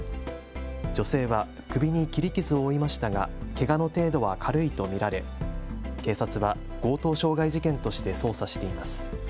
女性は首に切り傷を負いましたがけがの程度は軽いと見られ警察は強盗傷害事件として捜査しています。